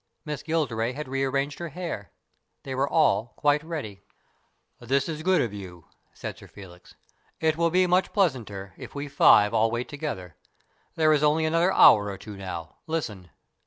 Miss Gilderay had rearranged her hair. They were all quite ready. no STORIES IN GREY "This is good of you," said Sir Felix. " It will be much pleasanter if we five all wait together. There is only another hour or two now. Listen